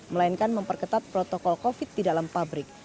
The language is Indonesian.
melainkan memperketat protokol covid sembilan belas di dalam pabrik